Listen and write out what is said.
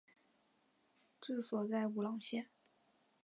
治所在武郎县。